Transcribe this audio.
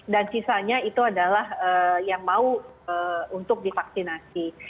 dan sisanya itu adalah yang mau untuk divaksinasi